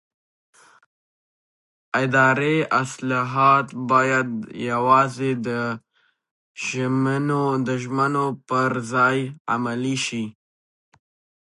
اداري اصلاحات باید یوازې د ژمنو پر ځای عملي شي